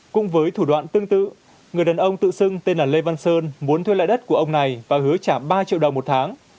cũng với thủ đoạn tương tự người đàn ông tự xưng tên là lê văn sơn muốn thuê lại đất của ông này và hứa trả ba triệu đồng một tháng